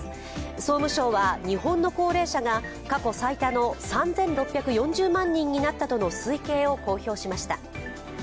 総務省は日本の高齢者が過去最多の３６４０万人になったとの推計を公表しました。